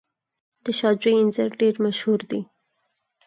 د شاه جوی انځر ډیر مشهور دي.